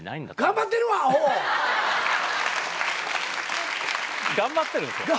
頑張ってるわアホ！頑張ってるんですか？